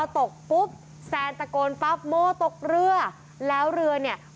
ตกปุ๊บแสนตะโกนปั๊บม่อตกเรือ